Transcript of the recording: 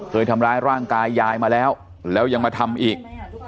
เคยทำร้ายร่างกายยายมาแล้วแล้วยังมาทำอีก